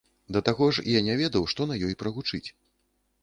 Да таго ж, я не ведаў, што на ёй прагучыць.